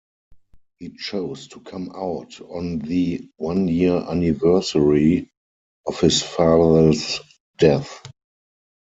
He chose to come out on the one-year anniversary of his father's death.